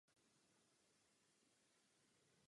Problematické však bylo politické vyznění slavností.